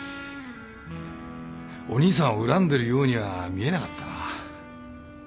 お兄さんを恨んでるようには見えなかったな。